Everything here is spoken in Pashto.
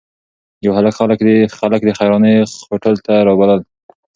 یو هلک خلک د خیرخانې هوټل ته رابلل.